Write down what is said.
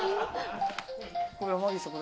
これ山岸さん